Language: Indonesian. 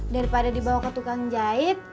daripada dibawa ke tukang jahit